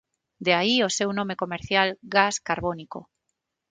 De aí o seu nome comercial gas carbónico.